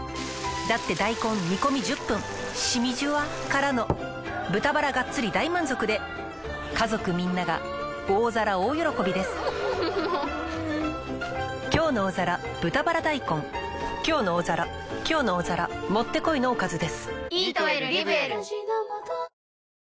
だって大根煮込み１０分しみじゅわからの豚バラがっつり大満足で家族みんなが大皿大喜びです「きょうの大皿」「きょうの大皿」もってこいのおかずです。